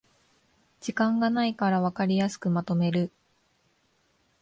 時間がないからわかりやすくまとめる